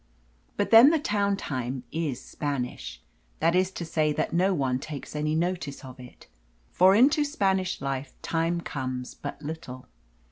But then the town time is Spanish, that is to say that no one takes any notice of it. For into Spanish life time comes but little.